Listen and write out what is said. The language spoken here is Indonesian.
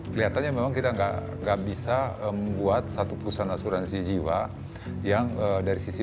kelihatannya memang kita enggak bisa membuat satu perusahaan asuransi jiwa yang dari sisi